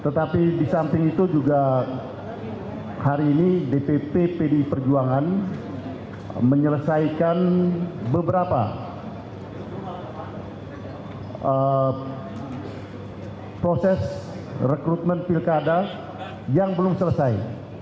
tetapi di samping itu juga hari ini dpp pdi perjuangan menyelesaikan beberapa proses rekrutmen pilkada yang belum selesai